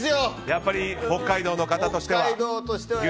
やっぱり北海道としては。